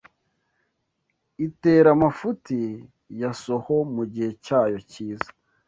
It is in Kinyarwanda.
itera amafuti ya Soho mugihe cyayo cyiza